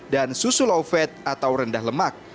dan susu low fat atau rendah lemak